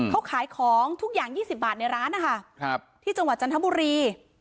เขาขายของทุกอย่าง๒๐บาทในร้านนะคะที่จังหวัดจันทบุรี